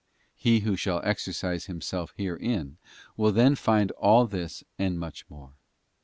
He who shall exercise himself herein, will then find all this and much more.